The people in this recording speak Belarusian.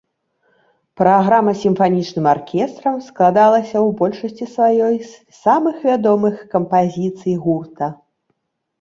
Праграма з сімфанічным аркестрам складалася ў большасці сваёй з самых вядомых кампазіцый гурта.